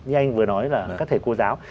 như anh vừa nói là các thầy cô giáo